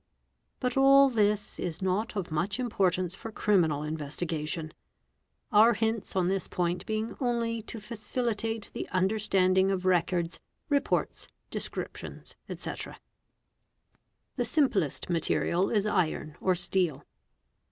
But all this is not of much importance for criminal investigation, our hints on this point being only to facilitate the understanding of records, reports, descriptions, &c. o The simplest material is iron or steel.